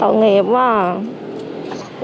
tội nghiệp quá à